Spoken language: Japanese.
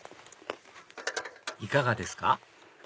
いかがですか？